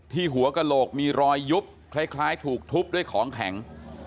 หัวกระโหลกมีรอยยุบคล้ายถูกทุบด้วยของแข็ง